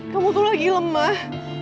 kamu tuh lagi lemah